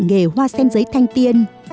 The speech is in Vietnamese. nghề hoa sen giấy thanh tiên